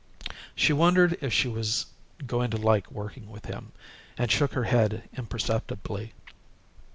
She wondered if she was going to like working with him, and shook her head imperceptibly.